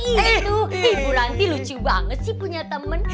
ibu ranti lucu banget sih punya temen